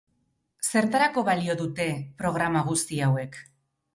Zertarako balio dute programa guzti hauek?